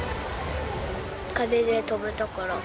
風で飛ぶところ。